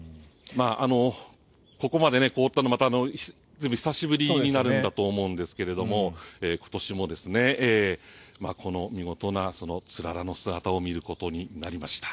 ここまで凍ったのも久しぶりになるんだと思うんですが今年もこの見事なつららの姿を見ることになりました。